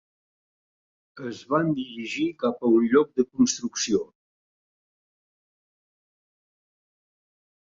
Es van dirigir cap a un lloc de construcció.